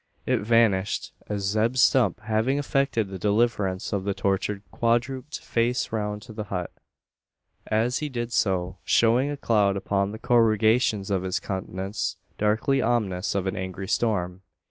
It vanished, as Zeb Stump, having effected the deliverance of the tortured quadruped, faced round to the hut as he did so, showing a cloud upon the corrugations of his countenance, darkly ominous of an angry storm.